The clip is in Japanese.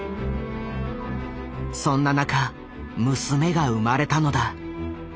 そんな中娘が生まれたのだ。